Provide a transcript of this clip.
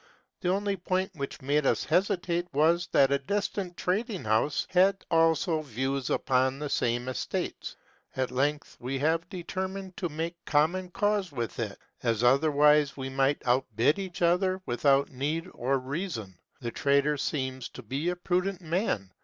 The only point which made us hesitate was, that a distant trading house had also views upon the same estates : at length we have deter mined to make common cause with it, as otherwise we might outbid each other without need or reason. The trader seems to be a prudent man.